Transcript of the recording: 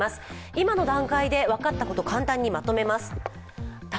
今の段階で分かったこと簡単にまとめました。